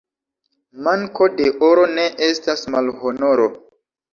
Manko de oro ne estas malhonoro.